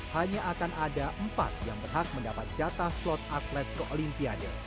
hanya akan ada empat yang berhak mendapat jatah slot atlet ke olimpiade